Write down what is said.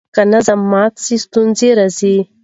که نظم مات سي ستونزه راځي.